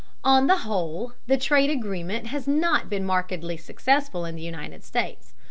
On the whole, the trade agreement has not been markedly successful in the United States.